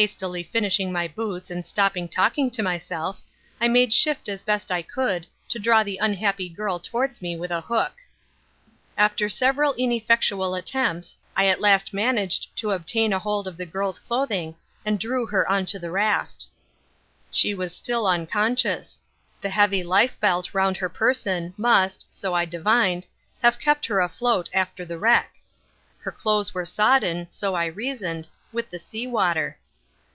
Hastily finishing my boots and stopping talking to myself, I made shift as best I could to draw the unhappy girl towards me with a hook. After several ineffectual attempts I at last managed to obtain a hold of the girl's clothing and drew her on to the raft. She was still unconscious. The heavy lifebelt round her person must (so I divined) have kept her afloat after the wreck. Her clothes were sodden, so I reasoned, with the sea water.